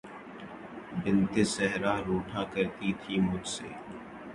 بنت صحرا روٹھا کرتی تھی مجھ سے